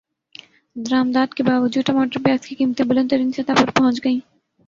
درمدات کے باوجود ٹماٹر پیاز کی قیمتیں بلند ترین سطح پر پہنچ گئیں